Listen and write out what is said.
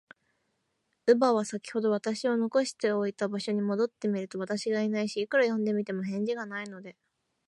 乳母は、さきほど私を残しておいた場所に戻ってみると、私がいないし、いくら呼んでみても、返事がないので、